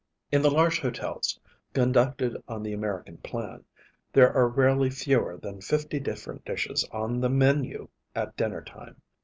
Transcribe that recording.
In the large hotels, conducted on the American plan, there are rarely fewer than fifty different dishes on the menu at dinner time.